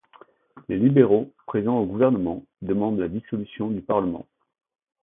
Les libéraux, présents au gouvernement, demandent la dissolution du parlement.